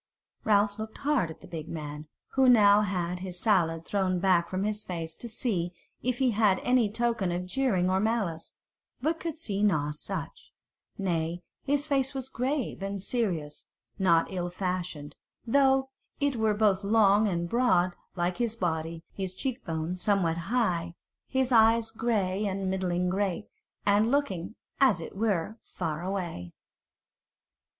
Ralph looked hard at the big man, who now had his salade thrown back from his face, to see if he gave any token of jeering or malice, but could see nought such: nay, his face was grave and serious, not ill fashioned, though it were both long and broad like his body: his cheek bones somewhat high, his eyes grey and middling great, and looking, as it were, far away.